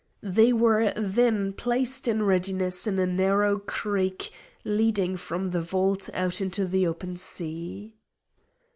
They were then placed in readiness in a narrow creek leading from the vault out into the open sea.